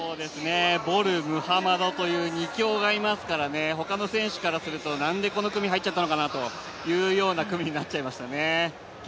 ボル、ムハマドという２強がいますからね、他の選手からすると、何でこの組に入っちゃったのかなというような組になっちゃいましたね。